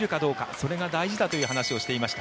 それが大事だという話をしていました。